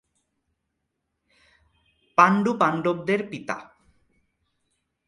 পাণ্ডু পাণ্ডবদের পিতা।